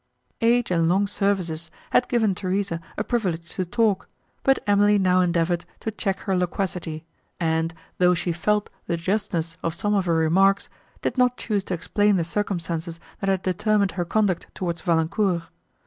Age and long services had given Theresa a privilege to talk, but Emily now endeavoured to check her loquacity, and, though she felt the justness of some of her remarks, did not choose to explain the circumstances, that had determined her conduct towards Valancourt.